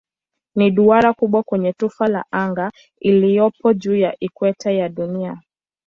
Ni duara kubwa kwenye tufe la anga iliyopo juu ya ikweta ya Dunia.